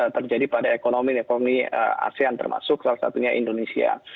terjadi pada ekonomi ekonomi asean termasuk salah satunya indonesia